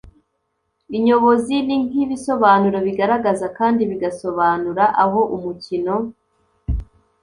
inyobozi: ni nk’ibisobanuro bigaragaza kandi bigasobanura aho umukino